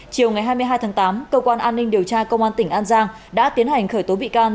chiều ngày hai mươi hai tháng tám cơ quan an ninh điều tra công an tỉnh an giang đã tiến hành khởi tố bị can